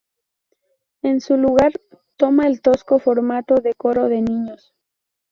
En su lugar, toma el tosco formato de coro de niños.